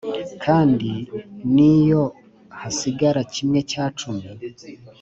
Kandi n’iyo hasigara kimwe cya cumi,